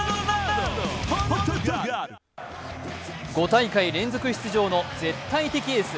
５大会連続出場の絶対的エース